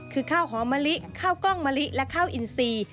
คือข้าวหอมมะลิข้าวกล้องมะลิและข้าวอินซี